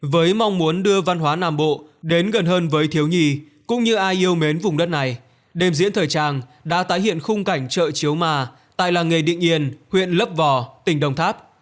với mong muốn đưa văn hóa nam bộ đến gần hơn với thiếu nhi cũng như ai yêu mến vùng đất này đêm diễn thời trang đã tái hiện khung cảnh chợ chiếu mà tại làng nghề định yên huyện lấp vò tỉnh đồng tháp